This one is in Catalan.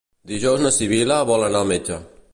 Dijous na Sibil·la vol anar al metge.